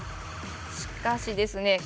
しかしですね